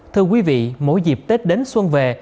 thưa quý vị mỗi dịp tết đến xuân về